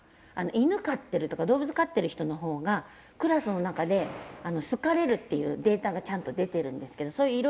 犬飼ってるとか動物飼ってる人のほうがクラスの中で好かれるっていうデータがちゃんと出てるんですけど。